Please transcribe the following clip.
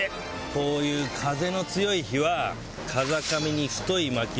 こういう風の強い日は。